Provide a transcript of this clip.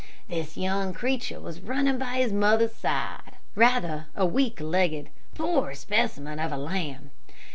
This young creature was running by his mother's side, rather a weak legged, poor specimen of a lamb.